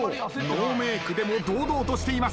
ノーメークでも堂々としています。